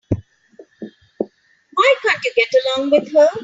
Why can't you get along with her?